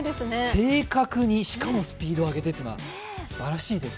正確に、しかもスピード上げてというのはすばらしいですね。